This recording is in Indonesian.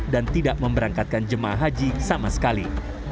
dan tidak memberangkatkan jemaah haji sama sekali